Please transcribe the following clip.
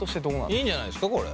いいんじゃないですかこれ。